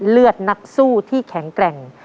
เลือดนักสู้ที่แข็งแกร่ง